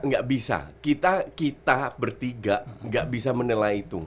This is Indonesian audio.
nggak bisa kita bertiga gak bisa menilai itu